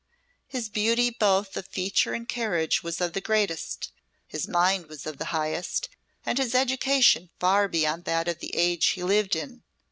His beauty both of feature and carriage was of the greatest, his mind was of the highest, and his education far beyond that of the age he lived in.